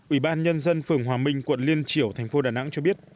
ủy ban nhân dân phường hòa minh quận liên triểu thành phố đà nẵng cho biết